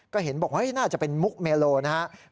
ก็เห็นบอกว่าน่าจะเป็นมุกเมโลนะครับ